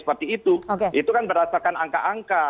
seperti itu itu kan berdasarkan angka angka